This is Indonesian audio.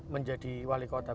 menjadi wali kota